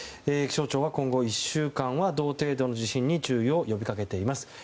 気象庁は今後１週間は同程度の地震に注意を呼び掛けています。